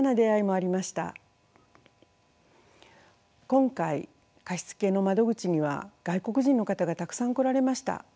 今回貸し付けの窓口には外国人の方がたくさん来られました。